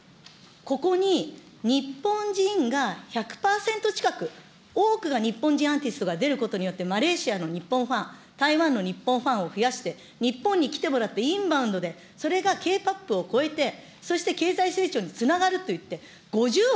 ここに日本人が１００％近く多くが日本人アーティストが出ることによってマレーシアの日本ファン、台湾の日本ファンを増やして、日本に来てもらって、インバウンドでそれがＫ−ＰＯＰを超えて、そして経済成長につながるといって、５０億